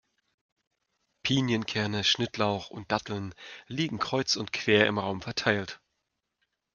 Pinienkerne, Schnittlauch und Datteln liegen kreuz und quer im Raum verteilt.